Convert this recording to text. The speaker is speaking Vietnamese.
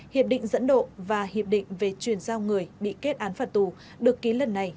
hiệp định dẫn độ và hiệp định về chuyển giao người bị kết án phạt tù được ký lần này